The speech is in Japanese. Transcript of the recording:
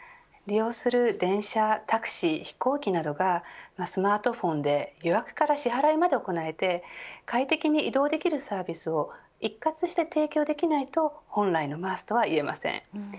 利用する電車、タクシー飛行機などがスマートフォンで予約から支払いまで行えて快適に移動できるサービスを一括して提供できないと本来のＭａａＳとは言えません。